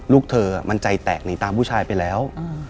ลูกเธอมันใจแตกหนีตามผู้ชายไปแล้ว